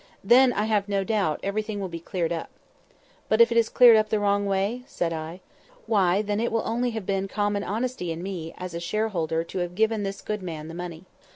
"Then, I have no doubt, everything will be cleared up." "But if it is cleared up the wrong way?" said I. "Why, then it will only have been common honesty in me, as a shareholder, to have given this good man the money.